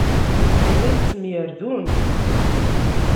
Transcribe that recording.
Llant ttemyerdunt.